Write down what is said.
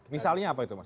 misalnya apa itu mas